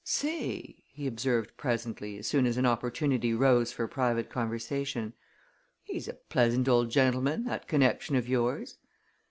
"Say!" he observed presently, as soon as an opportunity rose for private conversation. "He's a pleasant old gentleman, that connection of yours!"